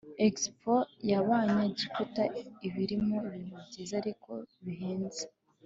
expo yabanya egiputa ibirimo ibintu byiza ariko bihenze